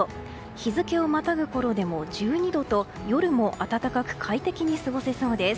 日付をまたぐころでも１２度と夜も暖かく快適に過ごせそうです。